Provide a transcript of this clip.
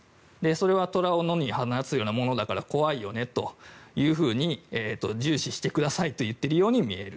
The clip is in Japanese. それはトラを野に放つようなものだから重視してくださいと言っているようにみえる。